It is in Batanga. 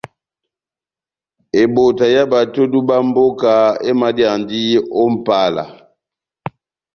Ebota yá batodu bá mboka emadiyandi ó Mʼpala.